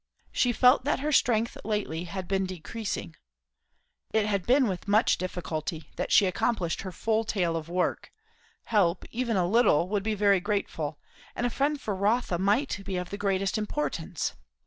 She felt that her strength lately had been decreasing; it had been with much difficulty that she accomplished her full tale of work; help, even a little, would be very grateful, and a friend for Rotha might be of the greatest importance.